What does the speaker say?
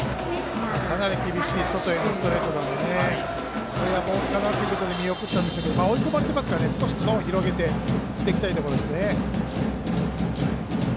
厳しい外へのストレートなのでボールだと思って見送ったんでしょうけど追い込まれてたので少しゾーン広げて打っていきたいところですね。